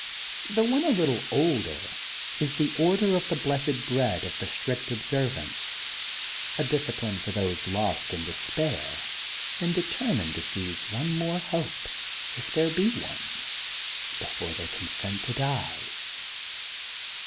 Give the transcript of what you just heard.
The one a little older is The Order of the Blessed Bread of the Strict Observance, a discipline for those lost in despair and de termined to seize one more hope, if there be one, before they consent to die.